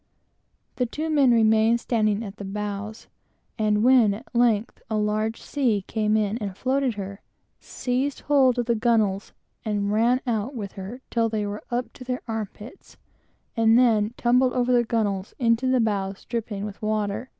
The two men at the bows kept their places; and when, at length, a large sea came in and floated her, seized hold of the gunwale, and ran out with her till they were up to their armpits, and then tumbled over the gunwale into the bows, dripping with water.